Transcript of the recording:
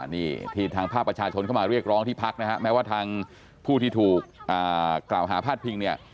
นี่ที่ทางภาคประชาชนเข้ามาเรียกร้องที่พักนะฮะแม้ว่าทางผู้ที่ถูกกล่าวหาพาดพิงเนี่ย